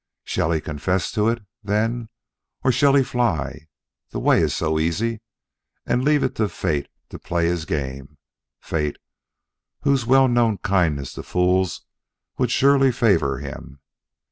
Shall he confess to it, then, or shall he fly (the way is so easy), and leave it to fate to play his game fate, whose well known kindness to fools would surely favor him?